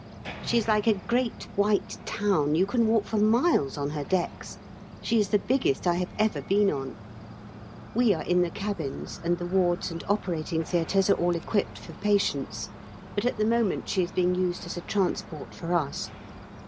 She is like a great white town; you can walk for miles on her decks; she is the biggest I have ever been on; we are in the cabins, and the wards and operating theatres are all equipped for patients, but at the moment she is being used as a transport for us.